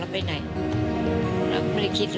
อันดับ๖๓๕จัดใช้วิจิตร